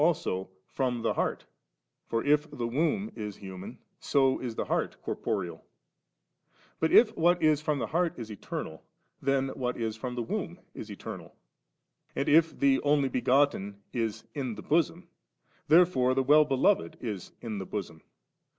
443 abo ' From tht heart' For if the womb is hnmaoy so is the heart corporeal But if what is from the heart is eternal, then what is 'From the womb' is eternal And if the 'Only be gotten • is * in the bosom/ therefore the * Well beloved' is * in the bosom.'